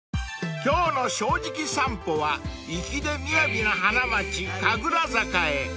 ［今日の『正直さんぽ』は粋でみやびな花街神楽坂へ］